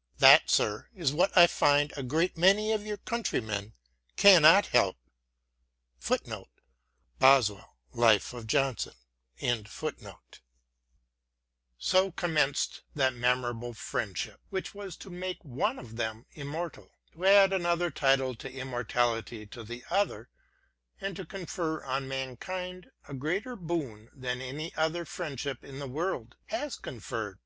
.." That, sir, is what I find a great many of your countrymen cannot help." * So commenced that memorable friendship which was to make one of them immortal, to add another title to immortality to the other, and to confer on mankind a greater boon than any other friendship in the world has conferred.